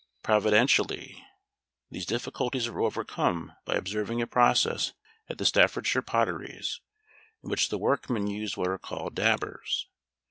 Providentially these difficulties were overcome by observing a process in the Staffordshire potteries, in which the workmen use what are there called dabbers.